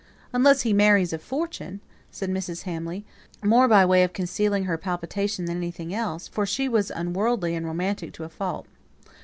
"Unless he marries a fortune," said Mrs. Hamley, more by way of concealing her palpitation than anything else; for she was unworldly and romantic to a fault.